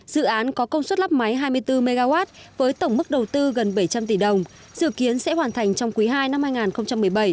dự án có công suất lắp máy hai mươi bốn mw với tổng mức đầu tư gần bảy trăm linh tỷ đồng dự kiến sẽ hoàn thành trong quý ii năm hai nghìn một mươi bảy